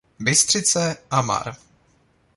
Bystřice a Mar.